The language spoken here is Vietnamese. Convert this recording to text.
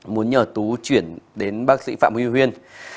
muốn nhờ tú chuyển đến bác sĩ phạm huy uyên